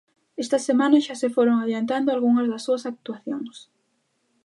Esta semana xa se foron adiantando algunhas das súas actuacións.